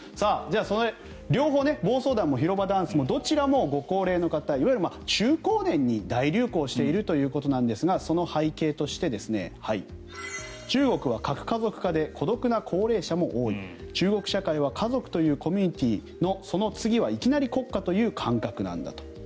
じゃあ、両方暴走団も広場ダンスもどちらもご高齢の方いわゆる中高年に大流行しているということなんですがその背景として中国は核家族化で孤独な高齢者も多い中国社会は家族というコミュニティーのその次はいきなり国家という感覚なんだと。